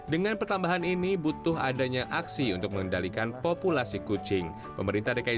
dengan pertambahan ini butuh adanya aksi untuk mengendalikan populasi kucing pemerintah dki